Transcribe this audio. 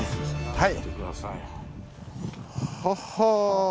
はい。